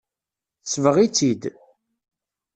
Tesbeɣ-itt-id.